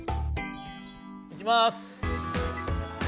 いきます。